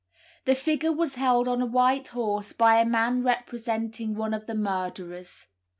This figure was held on a white horse by a man representing one of the murderers.